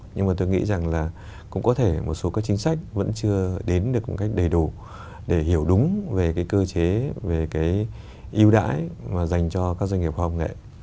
nhưng mà tôi nghĩ rằng là cũng có thể một số các chính sách vẫn chưa đến được một cách đầy đủ để hiểu đúng về cái cơ chế về cái ưu đãi mà dành cho các doanh nghiệp khoa học nghệ